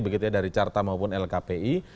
begitunya dari carta maupun lkpi